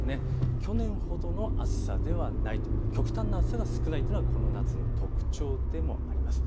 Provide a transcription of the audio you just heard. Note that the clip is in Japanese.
去年ほどの暑さではない、極端な暑さが少ないというのがこの夏の特徴でもあります。